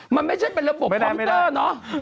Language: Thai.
มันไม่ใช่เป็นระบบคอมเตอร์เนอะ